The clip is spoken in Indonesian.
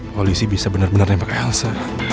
polisi bisa bener bener nempak elsa